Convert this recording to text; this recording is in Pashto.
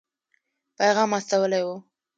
پیغام استولی وو.